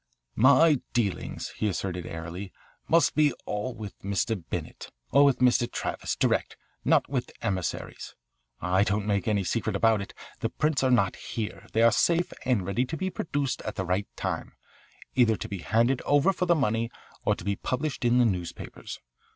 "My dealings," he asserted airily, "must all be with Mr. Bennett, or with Mr. Travis, direct, not with emissaries. I don't make any secret about it. The prints are not here. They are safe and ready to be produced at the right time, either to be handed over for the money or to be published in the newspapers.